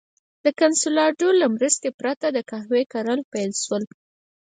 د کنسولاډو له مرستې پرته د قهوې کرل پیل شول.